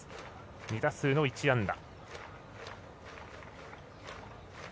２打数１安打。